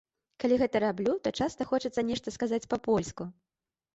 Калі гэта раблю, то часта хочацца нешта сказаць па-польску.